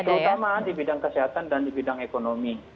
terutama di bidang kesehatan dan di bidang ekonomi